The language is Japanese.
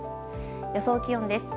予想気温です。